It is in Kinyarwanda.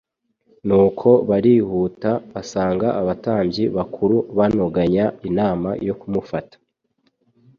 Nuko barihuta basanga abatambyi bakuru, banoganya inama yo kumufata.